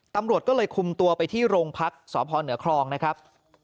ตำรวจก็เลยคุมตัวไปที่โรงพักษพเหนือครองนะครับ